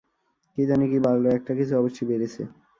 কী জানি কী বাড়ল, একটা কিছু অবশ্যি বেড়েছে।